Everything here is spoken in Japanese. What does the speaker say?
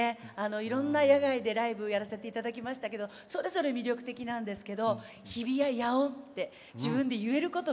いろんな野外でライブやらせて頂きましたけどそれぞれ魅力的なんですけど「日比谷野音」って自分で言えることがすごくうれしくて。